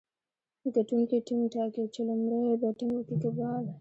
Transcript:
ګټونکی ټیم ټاکي، چي لومړی بېټينګ وکي که بال.